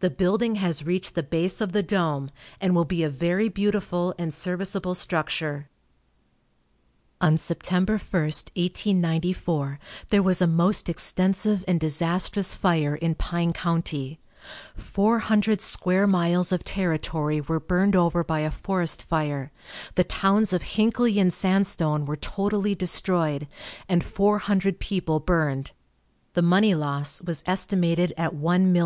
The building has reached the base of the dome, and will be a very beautiful and serviceable structure. On Sept. 1, 1894, there was a most extensive and disastrous fire in Pine county. Four hundred square miles of territory were burned over by a forest fire, the towns of Hinckley and Sandstone were totally destroyed, and four hundred people burned. The money loss was estimated at $1,000,000.